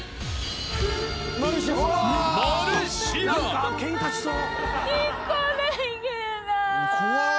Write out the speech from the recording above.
何かケンカしそう。